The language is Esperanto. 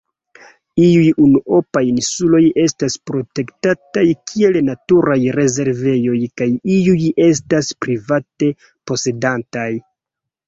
Iuj unuopaj insuloj estas protektataj kiel naturaj rezervejoj kaj iuj estas private posedataj.